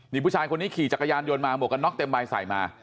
นี่ผู้ชายคนนี้ขี่จักรยานยนต์มาหมวกกันน็อกเต็มใบใส่มา